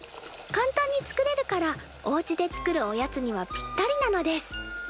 簡単に作れるからおうちで作るおやつにはぴったりなのです。